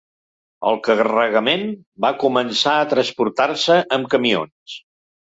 El carregament va començar a transportar-se amb camions.